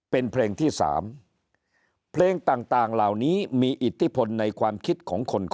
เต็มเป็นวิวที่๓เพลงต่างราวนี้มีอิทธิปนิ์ในความคิดของคนตอก